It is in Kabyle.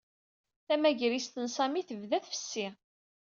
Tamagrist n Sami tebda tfessi.